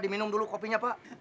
diminum dulu kopinya pak